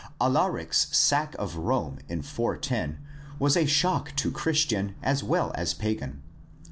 Alaric's sack of Rome in 410 was a shock to Christian as well as pagan.